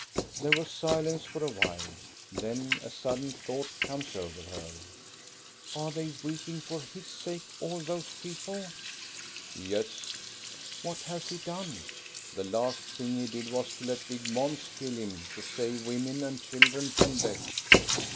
There was silence for a while; then a sudden thought comes over her. "Are they weeping for his sake, all those peo ple ?"" Yes. "" What has he done ?" "The last thing he did was tO' let big Mons kill him to save women and children from death.